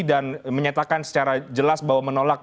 dan menyatakan secara jelas bahwa menolak